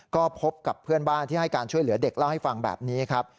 ก็พบกับเพื่อนบ้านที่ให้การช่วยเหลือเด็กเล่าให้ฟังแบบนี้ครับ